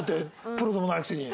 プロでもないくせに！